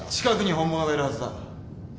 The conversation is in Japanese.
近くに本物がいるはずだ。